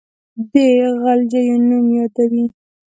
د غلجیو نوم یادوي.